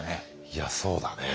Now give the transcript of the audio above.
いやそうだね。